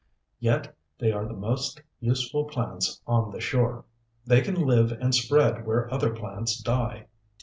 Yet they are the most useful plants on the shore. They can live and spread where other plants die.